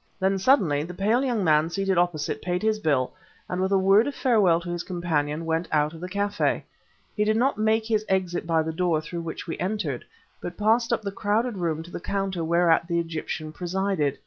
Then, suddenly, the pale young man seated opposite paid his bill, and with a word of farewell to his companion, went out of the café. He did not make his exit by the door through which we entered, but passed up the crowded room to the counter whereat the Egyptian presided.